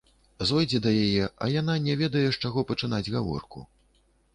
Зойдзе да яе, а яна не ведае, з чаго пачынаць гаворку.